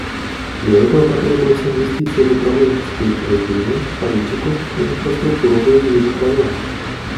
Для этого потребуются инвестиции в управленческие учреждения, политику и инфраструктуру в уязвимых районах.